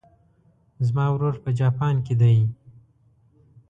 زما ورور په جاپان کې ده